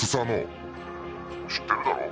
「知ってるだろ？